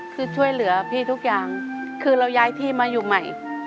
คือช่วยเหลือพี่ทุกอย่างคือเราย้ายที่มาอยู่ใหม่